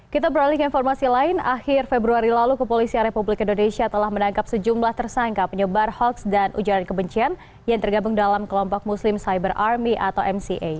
kita beralih ke informasi lain akhir februari lalu kepolisian republik indonesia telah menangkap sejumlah tersangka penyebar hoax dan ujaran kebencian yang tergabung dalam kelompok muslim cyber army atau mca